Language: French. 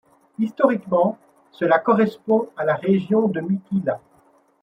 Historiquement, cela correspond à la région de Mithila.